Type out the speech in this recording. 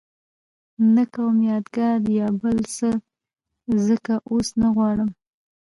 نه کوم یادګار یا بل څه ځکه اوس نه غواړم.